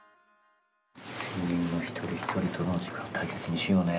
１，０００人の一人一人との時間大切にしようね。